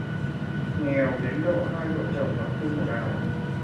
Nghèo đến độ hai vợ chồng mặc chung một áo